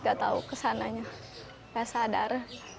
gak tahu kesananya gak sadar